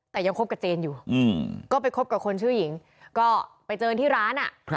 แต่ยังคบกับเจนอยู่ก็ไปคบกับคนชื่อหญิงก็ไปเจอที่ร้าน